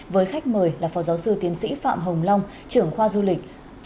với khách mời là phó giáo sư tiến sĩ phạm hồng long trưởng khoa du lịch